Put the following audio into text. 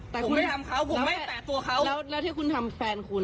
ผมไม่ทำเขาผมไม่แตะตัวเขาแล้วที่คุณทำแฟนคุณ